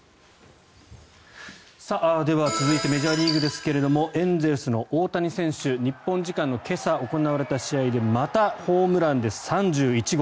では、続いてメジャーリーグですがエンゼルスの大谷選手日本時間の今朝行われた試合でまたホームランです、３１号。